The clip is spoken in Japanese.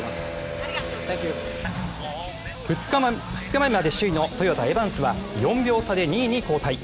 ２日目まで首位のトヨタ、エバンスは４秒差で２位に後退。